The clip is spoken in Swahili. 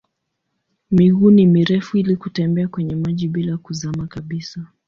Miguu ni mirefu ili kutembea kwenye maji bila kuzama kabisa.